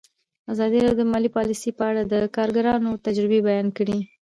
ازادي راډیو د مالي پالیسي په اړه د کارګرانو تجربې بیان کړي.